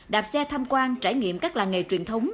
đạp xe tham quan trải nghiệm các làng nghề truyền thống